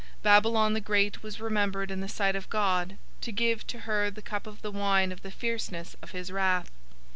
Babylon the great was remembered in the sight of God, to give to her the cup of the wine of the fierceness of his wrath.